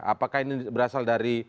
apakah ini berasal dari